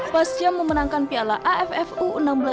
pas dia memenangkan piala aff u enam belas dua ribu delapan belas